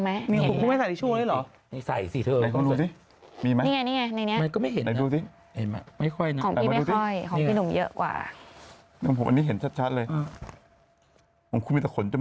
ฝ่ายในสตูสว่างนะครับ